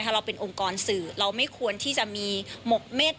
เราเป็นองค์กรสื่อเราไม่ควรที่จะมีหมกเม็ด